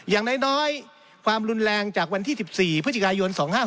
อย่างน้อยความรุนแรงจากวันที่๑๔พฤศจิกายน๒๕๖๒